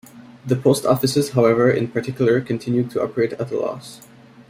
The Post Offices however in particular continued to operate a loss.